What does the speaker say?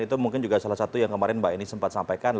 itu mungkin juga salah satu yang kemarin mbak eni sempat sampaikan